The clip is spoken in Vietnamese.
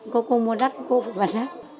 cô cô mua đắt cô phải bật đắt